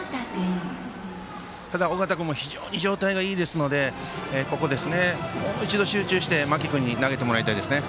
ただ、尾形君も非常に状態がいいですのでもう一度集中して間木君に投げてほしいですね。